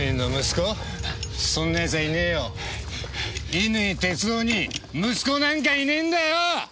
乾哲夫に息子なんかいねえんだよ！